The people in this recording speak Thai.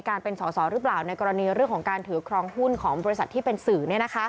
การถือครองหุ้นของบริษัทที่เป็นสื่อ